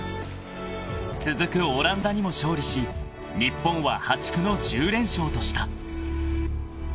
［続くオランダにも勝利し日本は破竹の１０連勝とした］